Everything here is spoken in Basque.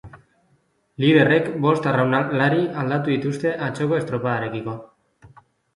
Liderrek bost arraunlari aldatu dituzte atzoko estropadarekiko.